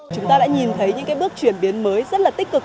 chúng ta đã nhìn thấy những bước chuyển biến mới rất là tích cực